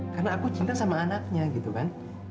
karena aku cinta sama anaknya gitu kan